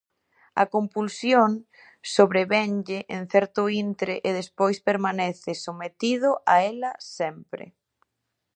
A compulsión sobrevenlle en certo intre e despois permanece sometido a ela sempre.